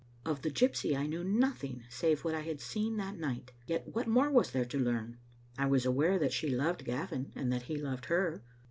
Of the gypsy I knew nothing save what I had seen that night, yet what more was there to learn? I was aware that she loved Gavin and that he loved her.